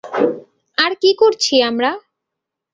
আর কী করছি আমরা?